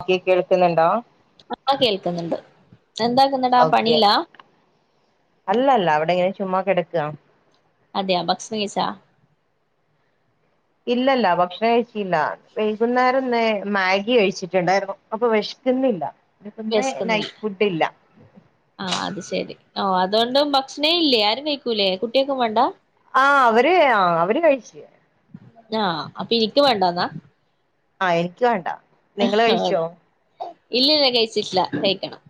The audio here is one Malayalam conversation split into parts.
ഓകെ കേൾക്ക്ന്ന്ണ്ടോ ആഹ് കേൾക്ക്ന്ന്ണ്ട് എന്താക്ക്ന്നടാ പണീലാ അല്ല ല്ല ഇവടെ ങ്ങനെ ചുമ്മാ കിടക്കാ അതെയാ ഭകഷണം കയിച്ച ഇല്ല ല്ല ഭക്ഷണം കഴിച്ചീല്ല വൈകുന്നേരം ന്ന് മാഗി കഴിച്ചിട്ട്ണ്ടായ്ര്ന്നു അപ്പൊ വെഷ്ക്ക്ന്നില്ല പിന്നെ പ്പംന്ന് നൈറ്റ് ഫുഡ് ഇല്ല ആഹ് അത് ശെരി ഓഹ് അതോണ്ടും ഭക്ഷണേ ഇല്ലേ ആരും കഴിക്കൂലേ കുട്ടിയെക്കും വേണ്ടാ ആഹ് അവര് ആഹ് അവര് കഴിച്ച് ആഹ് അപ്പൊ ഇനിക്ക് വേണ്ടന്നാ ആഹ എനിക്ക് വേണ്ട നിങ്ങള് ആഹ് കഴിച്ചോ ഇല്ല ല്ല കഴിച്ചിട്ട്ല്ല കെയിക്കണം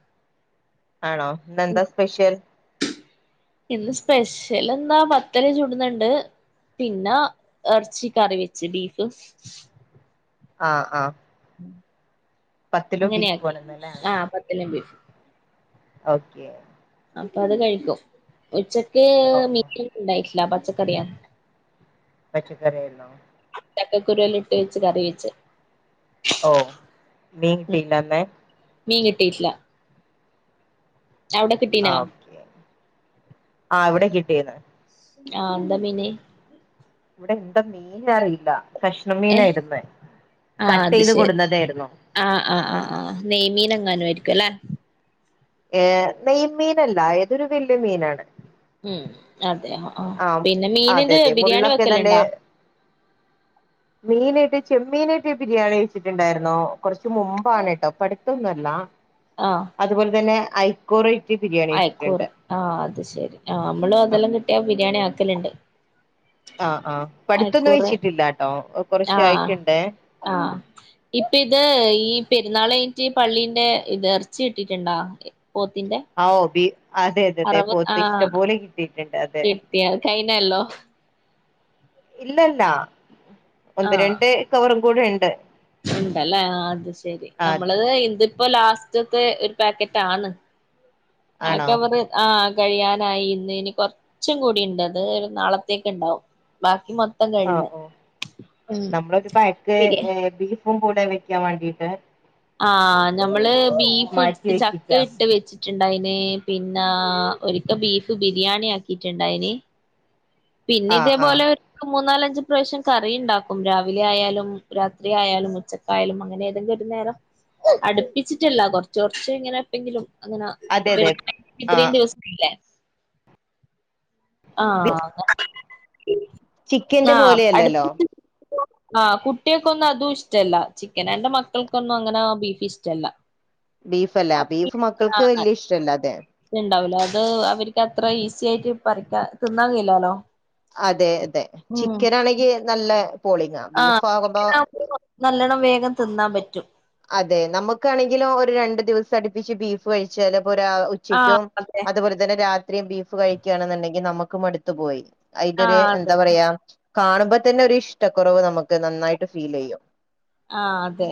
ആണോ ഇന്നെന്താ സ്പെഷ്യൽ ഇന്ന് സ്പെഷ്യൽ എന്താ ബത്തല് ചുടുന്ന്ണ്ട് പിന്നെ എർച്ചി കറി വെച്ച് ബീഫ് ആഹ് ആഹ് ബീഫ് അങ്ങനെയാക്കി വേണന്നല്ലേ ആഹ് പത്ത്ല് ബീഫ് ഓ ക്കെ അപ്പൊ അത് കഴിക്കും ഉച്ചക്ക് ഓ ഓ മീൻ ന്നും ണ്ടായിട്ട്ല്ല പച്ചക്കറിയാ പച്ചക്കറിയാര്ന്നോ ചക്കുരു ല്ലം ഇട്ട് വെച്ച് കറി വെച്ച് ഓഹ് മീൻ കിട്ടീല്ലാ ന്ന് മീൻ കിട്ടീട്ട്ല്ല അവ്ടെ കിട്ടീനാ ആഹ് ഇവിടെ കിട്ടീണ് ആഹ് എന്താ മീൻ ഇവിടെന്താ മീന് അറിയില്ല കഷ്ണം ഏഹ് മീനായിര്ന്ന് ആഹ് കട്ട് അത് യ്ത് ശരി കൊട്ന്നതായിര്ന്നു ആഹ് ആഹ് ആഹ് ആഹ് നെയ്മീനെ ങ്ങാനും അയ്ര്ക്കും അല്ലെ ഏഹ് നെയ് മീനല്ല ഏതൊരു വല്ലിയ മീനാണ് ഉം ഉം അതെ ആഹ് ആ പിന്നെ അതെ മീനിന്റെ അതെ ബിരിയാണി മുള്ളൊക്കെ വെക്കല്ണ്ടോ മീനെയ്ട്ട് ചെമ്മീനായിട്ട് ബിരിയാണി വെച്ചിട്ട്ണ്ടായിര്ന്നോ കൊർച്ച് മുമ്പാണ് ട്ടോ പട്ത്തൊന്നുംല്ലാ ആഹ് അത് പോൽ തന്നെ ഐക്കോറൈറ്റ് ബിരിയാണി വെയ്ച്ചിട്ട്ണ്ട് അയക്കൂറ് ആഹ് അത് ശെരി ആഹ് നമ്മള് അതെല്ലാം കിട്ടിയാ ബിരിയാണി ആക്കല്ണ്ട് ആഹ് ആഹ് പ്പട്ത്തൊന്നും വെയ്ച്ചിട്ടില്ലാട്ടോ ആഹ് ആഹ് ഇപ്പ ഇത് ഈ പെര്ന്നാള് യ്റ്റ് പള്ളീന്റെ ഇത് എർച്ചി കിട്ടീട്ട്ണ്ടാ പോത്തിന്റെ ഔ ബീ അതെ തെ അതെ അറവ് പോത്ത് ആഹ് ഇഷ്ടംപോലെ കിട്ടീട്ട്ണ്ട് അതെ കിട്ടിയ കഴിഞ്ഞല്ലോ ഇല്ലല്ല ഒന്ന് ആഹ് രണ്ട് കവറും കൂടെ ഉണ്ട് ഉണ്ടല്ലേ അത് ശരി ആ നമ്മള് അതെ ഇന്ത് ഇപ്പൊ ലാസ്റ്റത്തെ ഒരു പാക്കറ്റ് ആണ് ആണോ ആക്കവറ് ആഹ് കഴിയാനായി ഇന്ന് ഇനി കൊറച്ചും കൂടി ഉണ്ട് അത് ഒരു നാളത്തേക്ക് ഉണ്ടാവും ബാക്കി മൊ ആഹ് ഓഹ് നമ്മളൊരു ബിരിയാ [unintelligible] ബീഫും കൂടെ വെക്കാൻ വേണ്ടീട്ട് ആഹ് ഞമ്മള് ബീഫ് മാറ്റി ഇട്ട് ചക്ക വെച്ചിക്കാ ഇട്ട് വെച്ചിട്ടുണ്ടായിന് പിന്ന ഒരിക്ക ബീഫ് ബിരിയാണി ആക്കിയിട്ടുണ്ടായിന് പിന്നെ ആഹ് ആഹ് ഇതേപോലെ [unintelligible] മൂന്നാലഞ്ച് പ്രാവശ്യം കറി ഉണ്ടാക്കും രാവിലെ ആയാലും രാത്രി ആയാലും ഉച്ച ക്കായാലും അങ്ങനെ ഏതെങ്കിലും ഒരു നേരം അടുപ്പിച്ചിട്ടില്ല കൊറച്ച് കൊറച്ച് ഇങ്ങനെ എപ്പോങ്കിലും അങ്ങനാ അതെ അതെ [unintelligible] ഇത്രേം ആഹ് ദിവസം ഇല്ലേ ആഹ് അങ്ങനാ പിൻ ചിക്കന്റെ ആഹ് പോലെയല്ലല്ലോ അടുപ്പിച്ച് ആഹ് കുട്ട്യക്കൊന്നും അതും ഇഷ്ടല്ല ചിക്കനാ എന്റെ മക്കൾക്കൊന്നും അങ്ങനെ ബീഫ് ഇഷ്ടല്ല ബീഫല്ല ബീഫ് മക്കൾക്ക് വല്യ ഇഷ്ടല്ല അതെ [unintelligible] ഉണ്ടാവൂലോ അത് അവർക്ക് അത്ര ഈസി ആയിട്ട് പറിക്കാൻ തിന്നാൻ കഴിയൂലാല്ലോ അതെ അതെ ചിക്കൻ ആണെങ്കി നല്ല പോളിങ്ങാ ആഹ് ബീഫ് ചിക്കൻ ആകുമ്പോ [unintelligible] നല്ലോണം വേഗം തിന്നാൻ പറ്റും അതെ നമുക്കാണെങ്കിലും ഒരു രണ്ടു ദിവസം അടുപ്പിച്ച് ബീഫ് കഴിച്ചാല് അപ്പോ രാ ഉ ആഹ് ച്ചക്കും അതെ അത് പോലെ തന്നെ രാത്രിയും ബീഫ് കഴിക്കാണ് എന്നുണ്ടെങ്കിൽ നമ്മക്ക് മട്ത്തു പോയി അയിന്റെ ഒര് ആഹ് എന്താ അതന്നെ പറയാ കാണുമ്പോ തന്നെ ഒരു ഇഷ്ടക്കുറവ് നമുക്ക് നന്നായിട്ട് ഫീലെയ്യും ആഹ് അതെ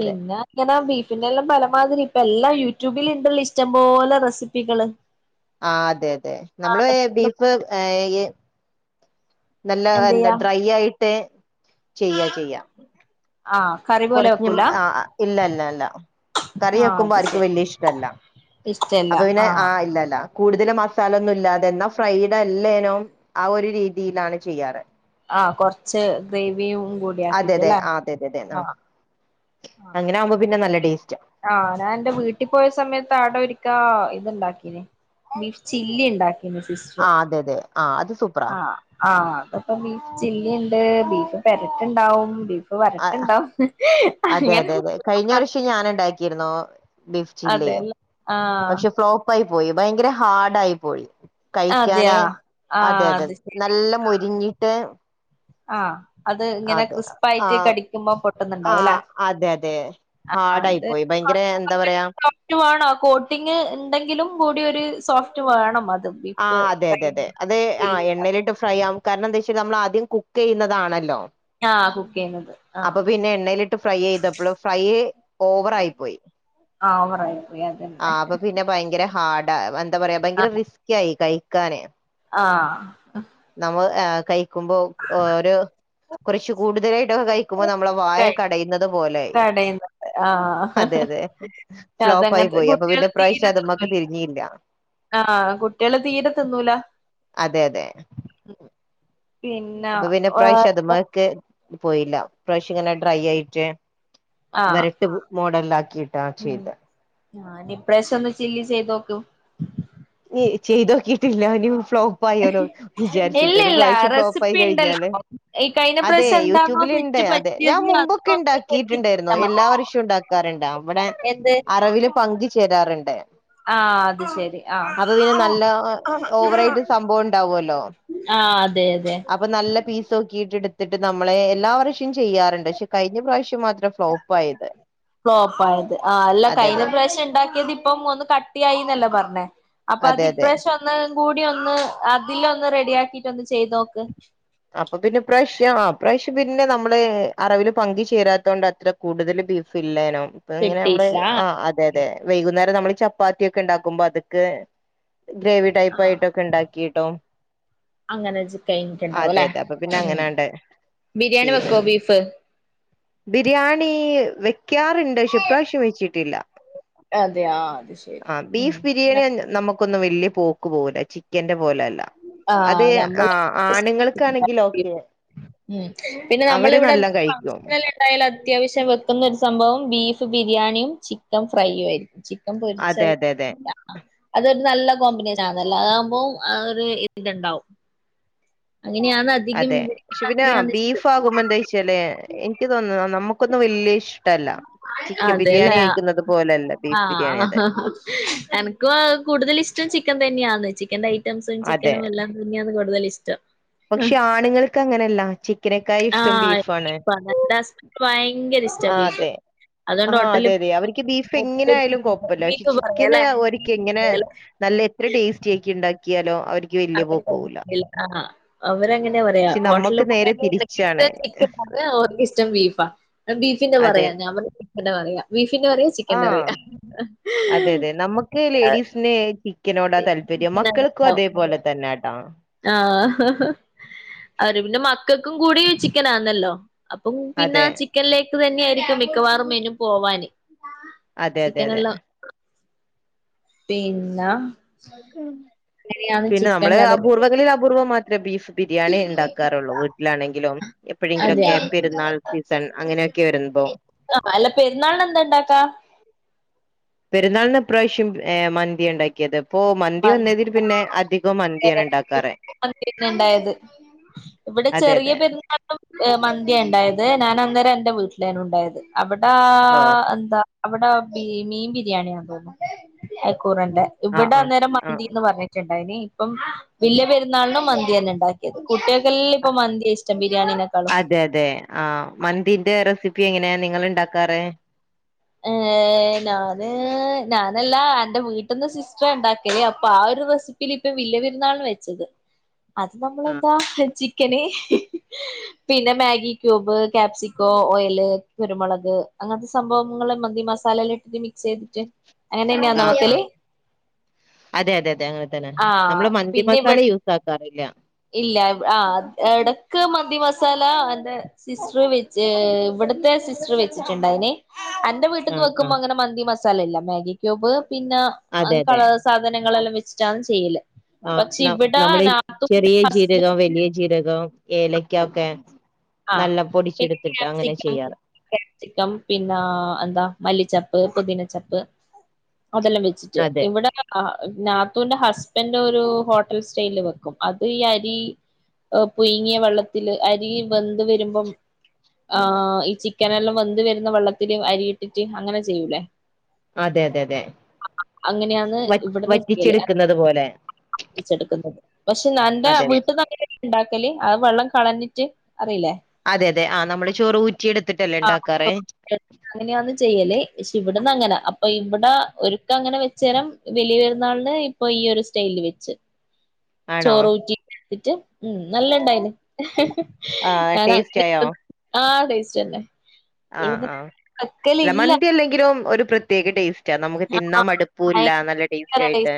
അതെ ഇങ്ങന ബീഫിന്റെ എല്ലാം പലമാതിരി ഇപ്പ എല്ലാം യൂട്യൂബില് ഇണ്ടല്ലോ ഇഷ്ടം പോലെ റെസിപ്പികള് [inaudible] ആഹ് അതെ അതെ നമ്മള് ആഹ് ബീഫ് ഏഹ് നല്ല എന്താ എന്തെയ്യാ ഡ്രൈ ആയിട്ട് ചെയ്യാ ചെയ്യാ ആഹ് കറി പോലെ കൊറഞ്ഞും വെക്കൂല ആഹ് ഇല്ല ഇല്ല ഇല്ല കറി ആഹ് വെക്കുമ്പോ അത് ആർക്കും ശരി വല്യ ഇഷ്ടല്ല അപ്പൊ പിന്നെ ആഹ് ഇല്ലല്ല കൂടുതല് മസാല ഒന്നും ഇല്ലാതെ എന്നാ ഫ്രൈഡ് അല്ലേനും ആ ഒരു രീതിയിലാണ് ചെയ്യാറ് ആഹ് കൊറച്ച് ഗ്രേവിയും കൂട് ടി അതെ അതെ ആക്കീട്ടല്ലേ ആ അതെ അതെ അതെ ആ ആഹ് ആഹ് അങ്ങനെ ആകുമ്പോ പിന്നെ നല്ല [unintelligible] ടേസ്റ്റ് ആഹ് ഞാൻ എന്റെ വീട്ടി പോയ സമയത്ത് ആടൊരിക്കാ ഇത്ണ്ടാക്കീന് ബീഫ് ചില്ലി ഇണ്ടാ ആഹ് അതെ അതെ ആഹ് അത് സൂപ്പറാ ആഹ് ആഹ് അത്പ്പോ ബീഫ് ചില്ലി ഉണ്ട് ബീഫ് പെരട്ട്ണ്ടാവും ബീഫ് [unintelligible] ആ വരട്ടണ്ടാ അതെ അങ്ങനെ അതെ അതെ കഴിഞ്ഞ വർഷം ഞാനുണ്ടാക്കിയിരുന്നു ബീഫ് ചില്ലിയും അതെല്ല ആഹ് പക്ഷെ ഫ്ലോപ്പായി പോയി ഭയങ്കര ഹാർഡായി പോയി കഴിക്കാനെ അതെയാ അതെ ആഹ് അതെ അത് ശരി നല്ല മൊരിഞ്ഞിട്ട് ആഹ് അത് ഇങ്ങനെ അതെ ആ ക്രിസ്പായിട്ട് കടി ക്കുമ്പോ ആ പൊട്ടുന്നുണ്ടാവും അല്ലേ അതെ അതെ ആഹ് ഹാർഡായി അത് പോയി ഭയങ്കര എന്താ [unintelligible] പറയാ [unintelligible] വേണം കോട്ടിംഗ് ഇണ്ടെങ്കിലും കൂടി ഒരു സോഫ്റ്റ് വേണം അത് ആഹ് ബീഫ് അതെ ഫ്രൈ അതെ അതെ അത് ആഹ് എണ്ണയിലിട്ട് ഫ്രൈയാവും കാരണം എന്തേ വെച്ചാല് നമ്മള് ആദ്യം കുക്ക് ചെയ്യുന്നതാണല്ലോ ആഹ് കുക്ക് ചെയ്യുന്നത് ആഹ് അപ്പൊ പിന്നെ എണ്ണയിലിട്ട് ഫ്രൈ ചെയ്തപ്പൊള് ഫ്രൈ ഓവറായി പോയി ആഹ് ഓവറായി പോയി അതെ ആഹ് അപ്പൊ പിന്നെ ഭയങ്കര ഹാർഡാ എന്താ പറയാ ഭയങ്കര ആഹ് റിസ്കി ആയി കയ് ക്കാനെ ആഹ് നമ്മ കഴിക്കുമ്പോ ഒരു കുറച്ച് കൂടുതലായിട്ടൊക്കെ കഴി ക്കുമ്പോ നമ്മളെ കൈ വായക്കെ അടയുന്നത് പോലായി കടേന്നത് ആഹ് അതെ, അതേ. ഫ്ലോപ്പായി അതങ്ങനത്തെ പോയി. അപ്പോ പിന്നെ കുട്ടികള് ഇപ്രാവശ്യം അത് മ്മക്ക് തിരിഞ്ഞില്ല. ആ, കുട്ടിയാൾ തീരെ തിന്നൂല. അതെ അതെ പിന്നാ, വേറെന്താ. ക്ക്‌ പോയില്ല. ഇപ്രാവശ്യം ഇങ്ങനെ ഡ്രൈ ആയിട്ട് ആഹ് ഇവര്ത്ത് മോഡൽ ആക്കി. ഉം. ഞാൻ, ഇപ്രാവശ്യം ചെയ്യ്, ചെയ്ത് നോക്കും. ഈ, ചെയ്ത് നോക്കീട്ടില്ല. ഇനി ഫ്ലോ പ്പായാലോ വിചാരിച്ചിട്ട് ഒരു ഇല്ലില്ല പ്രാവശ്യം ഫ്ലോപ്പായി റെസിപ്പി കഴിഞ്ഞാല്, ഇണ്ടല്ലോ ഈ കഴിഞ്ഞ അതേ പ്രാവശ്യം എന്താണോ യൂട്യൂബില് തെറ്റ് ഇണ്ടേ അ അതേ, ഞാൻ പറ്റിയത് അത് മുമ്പൊക്കെ ഒന്ന് വെച്ച് ഉണ്ടാക്കീട്ടുണ്ടാരുന്നു. കൊടുത്താ മതി എല്ലാ വർഷവും ഉണ്ടാക്കാറുണ്ട്. അവിടെ എന്ത് അറവില് പങ്ക് ചേരാറുണ്ട്. ആ, അത് ശരി. ആഹ് അപ്പോ പിന്നെ നല്ലാ ഓവറായിട്ട് സംഭവം ഉണ്ടാവല്ലോ അപ്പോ ആഹ് അതെ അതെ അപ്പോ, നല്ല പീസ് നോക്കീട്ടെടുത്തിട്ട് നമ്മളേ എല്ലാവരും ഷെ ക്കും ചെയ്യാറുണ്ട്. പക്ഷേ കഴിഞ്ഞ പ്രാവശ്യം മാത്രാ ഫ്ലോപ്പ് ആയത്. ഫ്ലോപ്പ് ആയത്. ആ, അല്ല അതെ കഴിഞ്ഞ അതെ പ്രാവശ്യം ഉണ്ടാക്കിയത് ഇപ്പം ഒന്ന് കട്ടിയായിന്നല്ല പറഞ്ഞേ അപ്പോ അത് അതെ അതെ ഇപ്രാവശ്യം ഒ ഒന്ന് കൂടി, ഒന്ന് അതിൽ ഒന്ന് റെഡി ആക്കീട്ട് ഒന്ന് ചെയ്ത് നോക്ക് അപ്പോ പിന്നെ ഇപ്രാവശ്യം ആ, പ്രാവശ്യം പിന്നെ നമ്മൾ അറവിൽ പങ്ക് ചേരാത്ത കൊണ്ട് അത്ര കൂടുതൽ ബീഫ് ഇല്ലനും, ഇപ്പോ ഇങ്ങനെ ഇമ്മള് കിട്ടിയിട്ടില്ല ആ, അതെ, അതെ. വൈകുന്നേരം നമ്മൾ ചപ്പാത്തിയൊക്കെ ഉണ്ടാക്കുമ്പോ അതുക്ക്‌ ഗ്രേവി ആഹ് ടൈപ്പായിട്ടൊക്കെ ഉണ്ടാക്കീട്ടോ അങ്ങനെ ച് കൈഞ്ഞിട്ടുണ്ടാവും അതെ അല്ലേ, അതെ അപ്പൊ പിന്നെ ഉം. അങ്ങനാണ്ട് ബിരിയാണി വെക്കുവോ ബീഫ്? ബിരിയാണീ വെയ്ക്കാറുണ്ട്. പക്ഷേ ഇപ്രാവശ്യം വെച്ചിട്ടില്ലാ. അതെയോ അത് ശരി ആ, ബീഫ് ഉം ബിരിയാണി തന്ന നമ്മ ക്കൊന്ന് വെല്യ പോക്ക് പോല. ചിക്കന്റെ പോലല്ലാ അതേ ആഹ് ആ, നമ്മള് ആ നീങ്ങൾ കണങ്കിലോ? ഓക്കേ, ഉം അവര് നല്ലാം കഴിക്കും. ആയാൽ അത്യാവശ്യം വെക്കുന്ന ഒരു സംഭവം ബീഫ് ബിരിയാണിയും ചിക്കൻ ഫ്രൈയ്യും ആയിരിക്കും. ചി ക്കം അതെ പൊരിച്ചത്. അതെ അതെ അതൊരു നല്ല കോമ്പിനേഷൻ ആന്നല്ലോ, അതാകുമ്പോ ആ ഇത് ഇതിൽണ്ടാവും. അങ്ങനെയാന്ന്. അതെ, പക്ഷേ പിന്നാ ബീഫ് ആകുമ്പ എന്താ വെച്ചല് എനിക്ക് തോന്നുന്നു നമ്മു ക്കൊന്നും വല്യ ഇഷ്ടല്ലാ. അതേല്ലേ, അ, ബീഫ് ബിരിയാണി അതെ ഹ്, ഹ് എന ഇക്ക്‌ കൂടുതൽ ഇഷ്ടം ചിക്കൻ തന്നെയാന്ന് ചിക്കന്റെ ഐറ്റംസും ചിക്കനും എല്ലാം തന്നെയാണ് കൂടുതൽ ഇഷ്ടം. പക്ഷേ ആണുങ്ങൾക്ക് അങ്ങനെയല്ലാ ചിക്കനെക്കായി ഇഷ്ടം ആഹ് ബീഫാണ്. എന്റെ ഹസ്ബൻഡിന് ഭയങ്കര ഇഷ്ടാ ആ ബീഫ്. അതെ ആ, അതുകൊണ്ട് അതെ, ഹോട്ടലിൽ അതെ അവർക്ക് ബീഫ് എങ്ങനെ ഹോട്ടലിൽ ആയാലും കോപ്പല്ല പക്ഷെ ബീഫ് പറയാല്ലേ ചിക്കനെയാ ഒരുക്കി ബീഫ് ഇങ്ങനേ പറയാല്ലേ നല്ല എത്ര ടേസ്റ്റി ആക്കി ഉണ്ടാക്കിയലോ അവര് [unintelligible] ആഹ് അവരങ്ങനെയാ പറയാ പക്ഷെ ഹോട്ടലിൽ നമ്മക്ക് ഫുഡ്‌ നേരെ തിരിച്ചാണ് [inaudible] അർക്ക് ഇഷ്ടം ബീഫാ ബീഫിന്റെ അതെ പറയാ ഞാൻ പറഞ്ഞു [inaudible] പറയാ ബീഫിന്റെ കറി ആ, അതെ, അതെ നമ്മക്ക് ലേഡീസിന് ചിക്കനോടാ താൽ പ്പര്യം മക്കൾക്കും അതേപോലെ തന്നാട്ടോ. ആഹ്, ഹ, ഹ, അവര് പിന്നെ മക്കക്കും കൂടി ചിക്കനാന്നല്ലോ. അപ്പം പിന്നാ അതെ ചിക്കനിലേക്ക് തന്നെ ആയിരിക്കും മിക്കവാറും മെനു പോവാന് അതെ അതെ ചിക്കൻ അതെ അല്ലാ പിന്നാ അങ്ങനെയാണ് പിന്നെ നമ്മള് കഥകളി അപൂർവ്വങ്ങളിൽ അപൂർവ്വം മാത്രേ ബീഫ് ബിരിയാണി ഉണ്ടാക്കാറുള്ളൂ വീട്ടിലാണെങ്കിലും എപ്പെഴെങ്കിലും ഒക്കെ അതെയാ പെരുന്നാൾ സീസൺ അങ്ങനെയൊക്കെ വരുമ്പോ ആഹ് അല്ല പെരുന്നാളിന് എന്താ ഉണ്ടാക്കാ പെരുന്നാളിന് ഈ പ്രാവശ്യം ഏഹ് മന്തി ഒണ്ടായി ഇത് ഇപ്പൊ മന്തി വന്നതിൽ പിന്നെ അധികം മന്തിയാണ് ഉണ്ടാക്കാറ് മന്തിന്നെ ഇണ്ടായത് ഇവിടെ അതെ ചെറിയ അതെ പെരുന്നാ മന്തി ഉണ്ടായത് ഞാൻ അന്നേരം എന്റെ വീട്ടിലാണ് ഉണ്ടായത് അവിടാ ഓ എന്താ അവിടെ ബീ മീൻ ബിരിയാണിയാണന്ന് തോന്നുന്നു അക്കൂറന്റെ ആഹ് ഇവിടെ ആഹ് അന്നേരം ആഹ് മന്തിന്ന് പറഞ്ഞ ണ്ടനി ഇപ്പം വല്യ പെരുന്നാളിനും മന്തി തന്നെ ഉണ്ടാ കുട്ടികൾക്ക് എല്ലാം ഇപ്പ മന്തി ഇഷ്ടം ബിരിയാണിനെക്കാളും അതെ അതെ ആഹാ മന്തിന്റെ റെസിപ്പി എങ്ങനെയാ നിങ്ങള് ഉണ്ടാക്കാറ് ഞാന് ഞാനല്ലാ അന്റെ വീട്ടിന്ന് സിസ്റ്ററാ ഉണ്ടാക്കല് അപ്പൊ ആ ഒരു റെസ് ഇതിൽ ഇപ്പം വല്യ പെരുന്നാളിന് വെച്ചത് അത് നമ്മള് ആഹ് എന്താ ചിക്കന് പിന്നെ മാഗി ക്യൂബ് കാപ്സിക്കോ ഓയില് കുരുമുളക് അങ്ങനത്തെ സംഭവം നിങ്ങള് മന്തി മസാല എല്ലാം ഇട്ടിട്ട് മിക്സ് ചെയ്തിട്ട് അങ്ങനെന്നെയാന്നോ ആഹ് ആഹാ വെക്കല് അതെ അതെ തെ അങ്ങനെ തന്നെ ആഹ് നമ്മള് മന്തി പിന്നെ ഇവി മസാല യൂ യൂസ് ആക്കാറില്ല ഇല്ല ആഹാ ഇടക്ക് മന്തി മസാല എൻ്റെ സിസ്റ്റർ വെച്ച് ഇവിടുത്തെ സിസ്റ്റർ വെച്ചിട്ടുണ്ടായിന് അ എന്റെ വീട്ടി നിന്ന് ആഹ് വെക്കുമ്പോ ആഹ് അങ്ങനെ മന്തി മസാല ഇല്ല മാഗി ക്യൂബ് പിന്നെ അ അതെ കള അതെ സാധനങ്ങളെല്ലാം വെച്ചിട്ടാണ് ചെയ്യല് ആഹാ പക്ഷെ നാം ഇവിടെ നമ്മടെ നാത്തൂന്റെ ചെറിയ ജീരകം ഹസ്ബൻഡ് വലിയ ജീരകം ഏലക്കക്കെ ആഹ് നല്ല പൊടിച്ചെടുത്തിട്ട് അങ്ങനെ ചെയ്യാറ് ചിക്കം പിന്നെ എന്താ മല്ലിചെപ്പ് പുദീനചെപ്പ് അതെല്ലാം സ്‌റ്റ് അതെ ഇവിടെ നാത്തുന്റെ ഹസ്ബൻ്റെ ഒരു ഹോട്ടൽ സൈല് വെക്കും അപ്പം ഈ അരി പുയിങ്ങിയ വെള്ളത്തില് അരി വെന്ത് വരുമ്പം ആഹ് ഈ ചിക്കനെല്ലാം വെന്ത് വരുന്ന വെള്ളത്തില് അരിയിട്ടിട്ട് അങ്ങനെ ചെയ്യൂലേ അതെ തെ തെ അങ്ങനെയാന്ന് വറ്റിച്ചെടുക്കുന്നത് പോലെ വറ്റിചെടുക്കുന്നത് പക്ഷെ നല്ല അതെ വീട്ടിന്ന് ഉണ്ടാക്കല് അത് വെള്ളം കളഞ്ഞിട്ട് അറിയില്ലേ അതെ അതെ ആഹാ നമ്മള് ചോറ് ഊറ്റി എടുത്തിട്ടല്ലേ [unintelligible] അങ്ങനെയാന്ന് ചെയ്യല് ക്ഷെ ഇവിടന്ന് അങ്ങനെ അപ്പം ഇവിടെ ഒരുക്കം അങ്ങനെ വെച്ചേരം വെലിയ പെരുന്നാളിന് പ്പൊ ഈ ഒരു സ്റ്റൈലില് വെച്ച് ആണോ ചോറ് ഊറ്റി വെച്ചിട്ട് നല്ല ഇണ്ടായിന് ആ ആണാ ടേസ്റ്റ് ആയോ ആഹ് ടേസ്റ്റ് തന്നെ ആഹ് ഇവിടന്ന് ആഹ് അല്ല വെക്കലില്ല മന്തി അല്ലെങ്കിലും ഒരു പ്രത്യേക ടേസ് റ്റ നമുക്ക് തിന്നാ ആഹ് ഭയ മടുപ്പൂല്ല നല്ല ടേസ്റ്റ് ഭയങ്കര ആയിട്ട്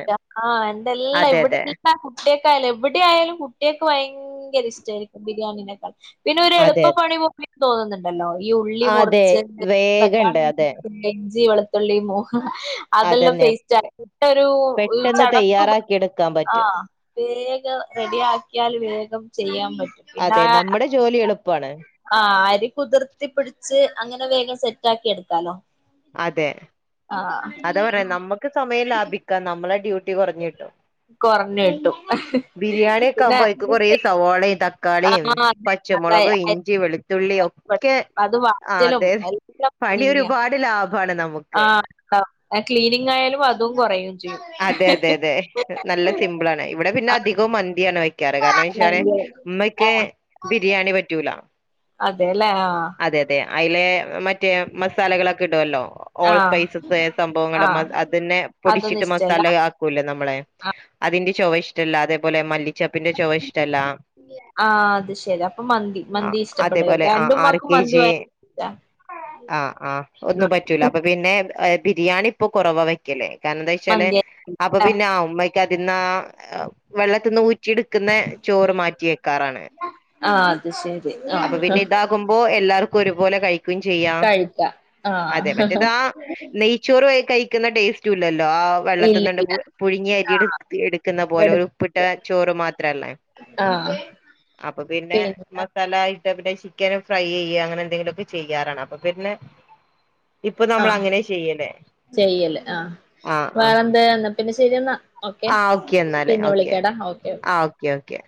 അതെ അതെ കുട്ട്യേക്കായാലും എവിടെ ആയാലും കുട്ടികക്ക് ഭയങ്കര ഇഷ്ട്ടായിരിക്കും ബിരിയാണിനെക്കാൾ പിന്നെ ഒരു അതെ അ [unintelligible] തോന്നുന്നുണ്ടല്ലോ ഈ ഉള്ളി അതെ മുറിച്ച് വേഗണ്ട് അതെ [unintelligible] ഇഞ്ചി വെളു [unintelligible] അതെല്ലാം അതന്നെ പേസ്റ്റ് ആക്കിട്ട് ഒരു പെട്ടെന്ന് തയ്യാറാക്കി [unintelligible] എടുക്കാൻ പറ്റും ആഹ് വേഗം റെഡി ആക്കിയാല് വേഗം ചെയ്യാൻ പറ്റും പിന്നെ അതെ ആ നമ്മടെ ജോലി എളുപ്പാണ് ആഹ് അരി കുതിർത്തി പിടിച്ച് അങ്ങനെ വേഗം സെറ്റാക്കി എടുക്കാലോ അതെ ആഹ് അതാ പറയ നമ്മുക്ക് സമയം ലാഭിക്കാം നമ്മളെ ഡ്യൂട്ടി കുറഞ്ഞ് കിട്ടും കൊറഞ്ഞ് കിട്ടും ബിരിയാണിയൊക്കെ ആവുമ്പോ അയ്ക്ക് കൊറേ പിന്നെ സവാളേം തക്കാളീം ആഹ് പ അതെ അതെ ച്ചമുളക്, ഇഞ്ചി, വെളുത്തുള്ളി അയൽപക്കത്ത് ഒക്കെ അത് ആഹ് വാഞ്ചലും അതെ എല്ലാം പണി പണിയന്നെയാ ഒരുപാ ട് ലാഭാണ് നമു ആഹ് [unintelligible] ക്ലീനിങ് ആയാലും അതും കൊറയും ചെയ്യും അതെ അതെ അതെ നല്ല സിമ്പിളാണ് ഇവിടെ പിന്നെ അധികവും മന്തിയാണ് വെ ക്കാറ് കാരണം വച്ചാല് അതെ ഉമ്മക്ക് ബിരിയാണി പറ്റൂല അതേല്ലേ ആഹ് അതെ അതെ അയിലേ മറ്റേ മസാലകളൊക്കെ ഇടുവല്ലോ ഓൾ ആഹ് സ്പൈസസ് സംഭവങ്ങള് മ ആഹ് അതിനെ അതൊന്നും പൊടിച്ചിട്ട് മ ഇഷ്ടല്ല [unintelligible] ക്കൂല്ലേ നമ്മള് അതിന്റെ ചൊവ ഇഷ്ട്ടല്ല അതേപോലെ മല്ലിച്ചപ്പിന്റെ ചൊവ ഇഷ്ട്ടല്ല ആഹ് അത് ശെരി അപ്പൊ മന്തി മന്തി അതേപോലെ ഇഷ്ടപ്പെടുവേരിക്കും അഹ് ആ ആർ എന്റുമ്മാക്കും കെ മന്തി ജി ഭയ ആഹ് ആഹ് ഒന്നും ആഹ് പറ്റൂല അപ്പൊ പിന്നെ ബിരിയാണി ഇപ്പൊ കൊറവാ വെ യ്ക്കലെ കാരണം എന്താന്ന് വെച്ചാല് മന്തി അപ്പൊ ആഹ് പിന്നെ ആ ഉമ്മക്ക് അതിന്ന് ആ വെള്ളത്തിന്ന് ഊ റ്റി എടുക്കുന്നെ ചോറ് മാറ്റിവെക്കാറാണ് ആഹ് അത് ശെരി ആഹ് ക്കുമ്പോ എല്ലാവർക്കും ഒരുപോലെ കഴിക്ക്യും ചെയ്യാം കഴിക്കാ അതെ ആഹ് മറ്റേത് ആ നെയ്ച്ചോറ് വഴി കഴിക്കുന്ന ടേസ്റ്റും ഇല്ലല്ലോ ആഹ് ഇല്ല വെള്ളത്തിന്നിണ്ട് ഇല്ല പു പുഴുങ്ങിയ അരി ആഹ് എടുത്ത് എടുക്കുന്ന പോലെ ഒരുപ്പിട്ട് എടുത്ത് ചോറ് മാത്രല്ലെ ആഹ് അപ്പൊ പിന്നെ മ സലായിട്ട് അവിടെ ചിക്കനും ഫ്രൈ ചെയ്യുക അങ്ങനെ എന്തെങ്കിലുവൊക്കെ ചെയ്യാറാണ് അപ്പൊ പിന്നെ ഇപ്പൊ നമ്മൾ ആഹ് അങ്ങനെ ചെയ്യലേ ചെയ്യല്ല് ആഹ് ആഹ് ആഹ് വേറെന്ത് എന്നാ പിന്നെ ശരിയെന്നാ ആഹ് ഓക്കെ എന്നാല് പിന്നെ ഓക്കെ വിളിക്കാടാ ഓക്കെ ആഹ് ഓക്കെ ഓക്കെ